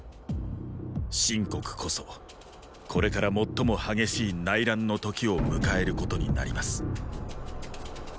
秦国こそこれから最も激しい内乱の刻を迎えることになります！